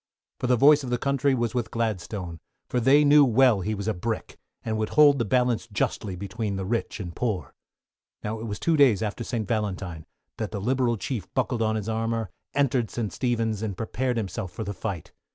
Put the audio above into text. For the voice of the Country was with Gladstone, for they knew well he was a Brick, and would hold the balance justly between the rich and poor. Now it was two days after St. Valentine, that the Liberal Chief buckled on his armour, entered St. Stephen's, and prepared himself for the fight.